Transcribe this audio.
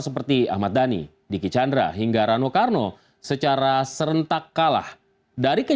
siapa canggih bareng indah oke